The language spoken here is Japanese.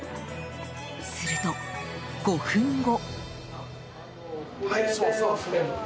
すると、５分後。